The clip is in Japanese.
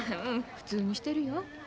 ううん普通にしてるよ。